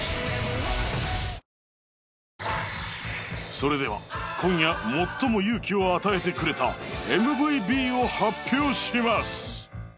それでは今夜最も勇気を与えてくれたＭＶＢを発表します